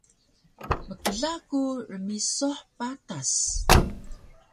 Mkla ku rmisuh patas